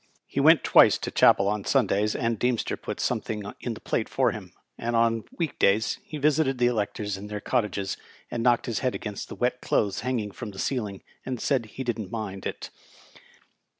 He went twice to chapel on Sundays, and Deemster put something in the plate for him, and on week days he visited* the electors in their cottages, and knocked his head against the wet clothes hanging from the ceiling, and said he didn't mind it.